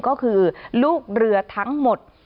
ก็คือลูกเรือทั้งหมด